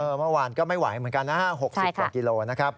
เมื่อวานก็ไม่ไหวเหมือนกันนะฮะ๖๐กว่ากิโลนะครับ